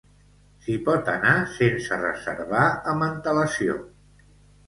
S'hi pot anar sense reservar amb antelació.